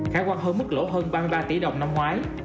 khả quan hơn mức lỗ hơn ba mươi ba tỷ đồng năm ngoái